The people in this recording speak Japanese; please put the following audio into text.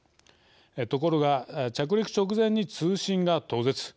ところが着陸直前に通信が途絶。